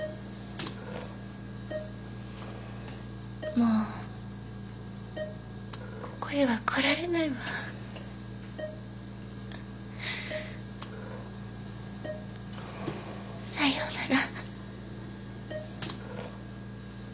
もうここへは来られないわさようなら